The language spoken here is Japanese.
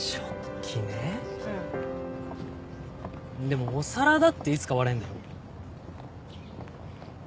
でもお皿だっていつか割れんだよ。